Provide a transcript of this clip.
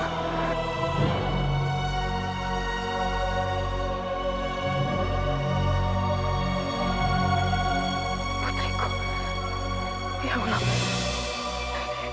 putriku ya allah ya allah apa yang harus dilakukan